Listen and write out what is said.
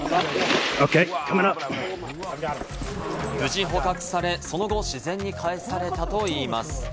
無事捕獲され、その後、自然にかえされたといいます。